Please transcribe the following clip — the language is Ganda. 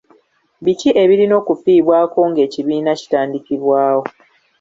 Biki ebirina okifiibwako ng'ekibiina kitandikibwawo?